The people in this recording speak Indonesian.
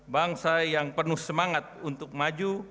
bangsa yang penuh semangat untuk maju